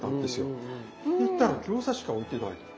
行ったら餃子しか置いてないの。